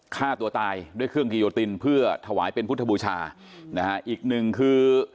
ฆ่าตัวตายด้วยเครื่องกิโยตินเพื่อถวายเป็นพุทธบูชานะฮะอีกหนึ่งคือ